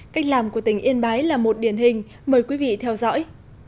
cách làm của tỉnh yên bái là một điển hình mời quý vị theo dõi